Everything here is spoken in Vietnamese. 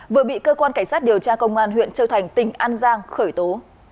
vừa bị cơ quan cảnh sát điều tra công an huyện châu thành tỉnh an giang khởi tố